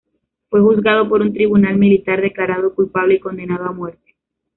Fue juzgado por un tribunal militar, declarado culpable y condenado a muerte.